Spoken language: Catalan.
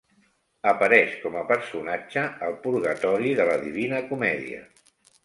Apareix com a personatge al purgatori de La Divina Comèdia.